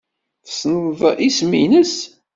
Tessneḍ isem-nnes?